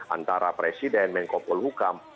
antara presiden menko polhukam